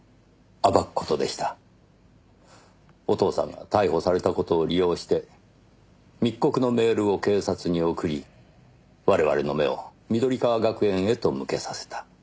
お父さんが逮捕された事を利用して密告のメールを警察に送り我々の目を緑川学園へと向けさせた。